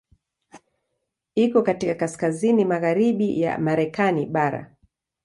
Iko katika kaskazini magharibi ya Marekani bara.